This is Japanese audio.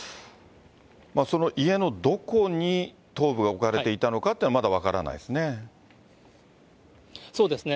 その家のどこに頭部が置かれていたのかっていうのは、まだ分そうですね。